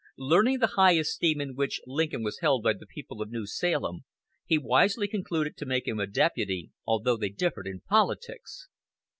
Learning the high esteem in which Lincoln was held by the people of New Salem, he wisely concluded to make him a deputy, although they differed in politics.